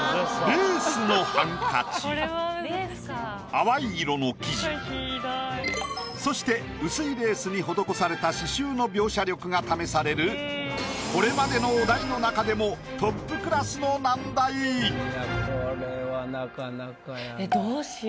淡い色の生地そして薄いレースに施された刺繍の描写力が試されるこれまでのお題の中でもこれはなかなかやな。